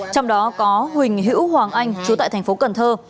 trong đó có huỳnh hữu hoàng anh chú tại thành phố cần thơ